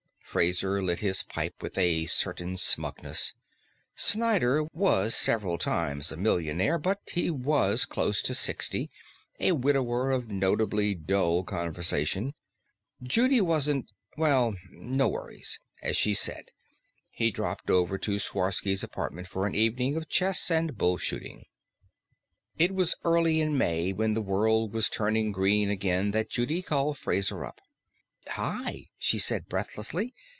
Fraser lit his pipe with a certain smugness. Snyder was several times a millionaire, but he was close to sixty, a widower of notably dull conversation. Judy wasn't Well, no worries, as she'd said. He dropped over to Sworsky's apartment for an evening of chess and bull shooting. It was early in May, when the world was turning green again, that Judy called Fraser up. "Hi," she said breathlessly.